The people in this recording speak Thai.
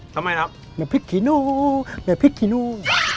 ทำไมครับแบบพริกขี้นูแบบพริกขี้นู